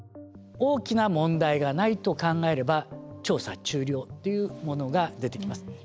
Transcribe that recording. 大きな問題がないと考えれば「調査終了」というものが出てきます。